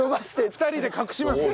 ２人で隠しますよ。